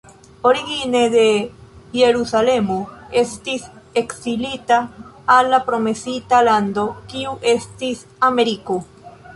Origine de Jerusalemo, estis ekzilita al la promesita lando kiu estis Ameriko.